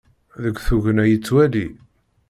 Deg tugna yettwali.